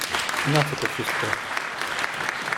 "I na co to wszystko?"